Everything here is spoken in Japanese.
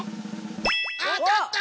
あたった！